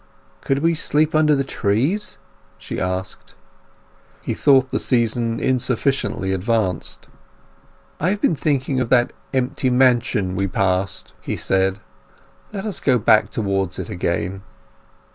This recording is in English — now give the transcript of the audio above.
"Could we sleep under the trees?" she asked. He thought the season insufficiently advanced. "I have been thinking of that empty mansion we passed," he said. "Let us go back towards it again."